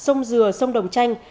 sông dừa sông đồng chanh